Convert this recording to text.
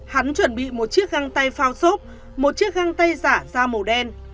hắn chuẩn bị một chiếc găng tay phao xốp một chiếc găng tay giả da màu đen